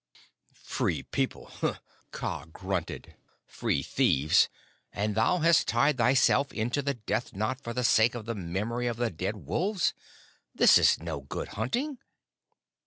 "Free People," Kaa grunted. "Free thieves! And thou hast tied thyself into the death knot for the sake of the memory of the dead wolves? This is no good hunting."